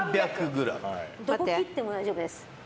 どこを切っても大丈夫です。